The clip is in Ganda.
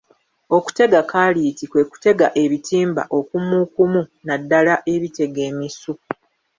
Okutega kaliiti kwe kutega ebitimba okumukumu naddala ebitega emisu